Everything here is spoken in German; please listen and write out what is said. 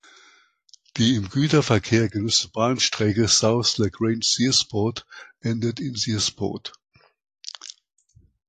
Die im Güterverkehr genutzte Bahnstrecke South Lagrange–Searsport endet in Searsport.